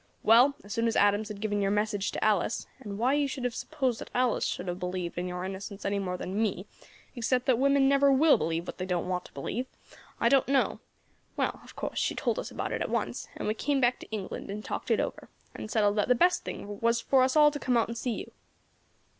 "Well, as soon as Adams had given your message to Alice and why you should have supposed that Alice should have believed in your innocence any more than me, except that women never will believe what they don't want to believe, I don't know well, of course, she told us about it at once, and we came back to England and talked it over, and settled that the best thing was for us all to come out and see you."